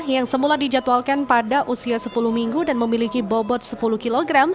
yang semula dijadwalkan pada usia sepuluh minggu dan memiliki bobot sepuluh kg